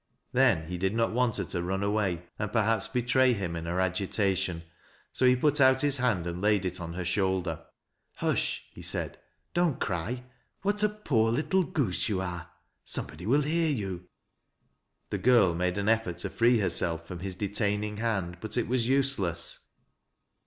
Then he did not want her to run away and perhaps betray him in her agitation, so he put out his hand and laid it on her shoulder. "Hush," ho said. "Don't cry. What a poor little goose you are. Somebody will hear you." The girl made an effort to fjee herself from his detain rng hand, but it was useless.